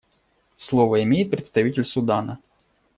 Слово имеет представитель Судана.